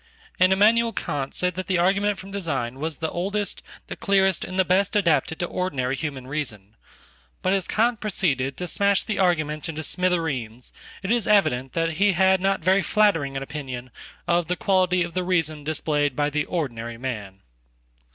And Immanuel Kant said theargument from design was the, oldest, the clearest and the bestadapted to ordinary human reason. But as Kant proceeded to smashthe argument into smithereens, it is evident that he had not veryflattering opinion of the quality of the reason displayed by theordinary man.